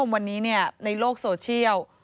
วันนี้ในโลกโซเชียล